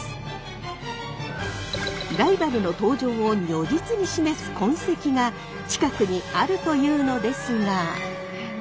ライバルの登場を如実に示す痕跡が近くにあるというのですが。